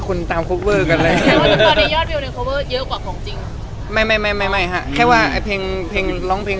คุณตามโคเวอร์กันเลย